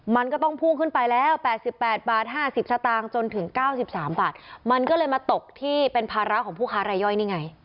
มันก็ต้องพุ่งขึ้นไปแล้ว๘๘บาท๕๐สตางค์จนถึง๙๓บาทมันก็เลยมาตกที่เป็นภาระของผู้ค้ารายย่อยนี่ไง